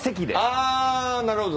あなるほど。